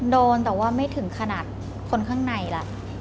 โดนแต่ว่าไม่ถึงขนาดคนข้างในล่ะ